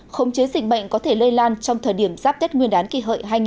khống chế dịch bệnh có thể lây lan trong thời điểm giáp tết nguyên đán kỳ hợi hai nghìn một mươi